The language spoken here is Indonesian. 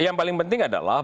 yang paling penting adalah